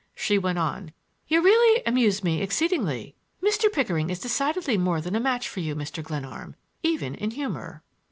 She went on. "You really amuse me exceedingly. Mr. Pickering is decidedly more than a match for you, Mr. Glenarm, —even in humor."